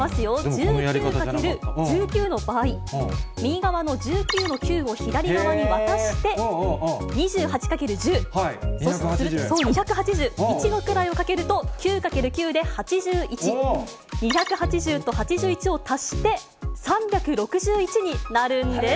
１９×１９の場合、右側の１９の９を左側に渡して、２８×１０、そう、２８０、一の位をかけると９×９で８１、２８０と８１を足して、３６１になるんです。